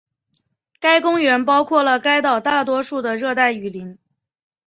该公园包括了该岛绝大多数的热带雨林。